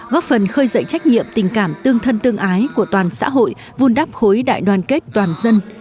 góp phần khơi dậy trách nhiệm tình cảm tương thân tương ái của toàn xã hội vun đắp khối đại đoàn kết toàn dân